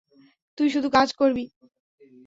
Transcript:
তুই শুধু কাজ করবি?